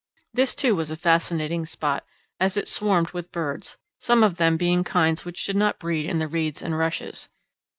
This, too, was a fascinating spot, as it swarmed with birds, some of them being kinds which did not breed in the reeds and rushes.